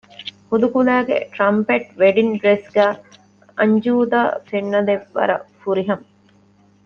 ހުދުކުލައިގެ ޓްރަންޕެޓް ވެޑިންގ ޑްރެސް ގައި އަންޖޫދާ ފެންނަލެއް ވަރަށް ފުރިހަމަ